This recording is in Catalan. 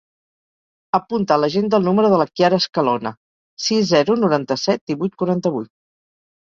Apunta a l'agenda el número de la Chiara Escalona: sis, zero, noranta-set, divuit, quaranta-vuit.